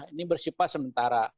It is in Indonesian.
ini bersifat sementara